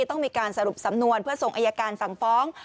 ต้องมีการสรุปสำนวนเพื่อส่งอายการสั่งฟ้อง